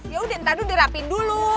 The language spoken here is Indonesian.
yaudah ntar dulu dirapin dulu